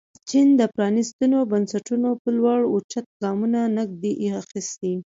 چین د پرانیستو بنسټونو په لور اوچت ګامونه نه دي اخیستي.